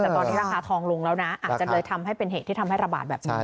แต่ตอนนี้ราคาทองลงแล้วนะอาจจะเลยทำให้เป็นเหตุที่ทำให้ระบาดแบบนี้